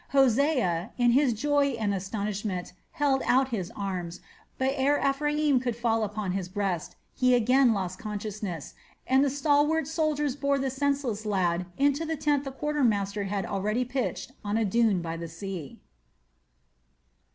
Hosea, in his joy and astonishment, held out his arms, but ere Ephraim could fall upon his breast, he again lost consciousness, and stalwart soldiers bore the senseless lad into the tent the quartermaster had already pitched on a dune by the sea.